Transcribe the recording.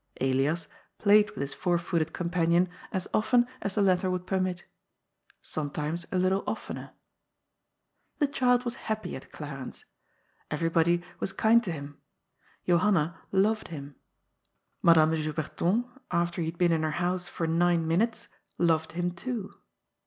Elias played with his four footed companion as often as the latter would permit Sometimes a little of tener. The child was happy at Glarens. Everybody was kind to him. Johanna loved him. Madame Juberton, after he had been in her house for nine minutes, loved him too.